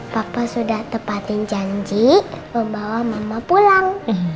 papa sudah tepatin janji pembawa mama pulang